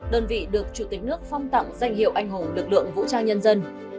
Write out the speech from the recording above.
đơn vị được chủ tịch nước phong tặng danh hiệu anh hùng lực lượng vũ trang nhân dân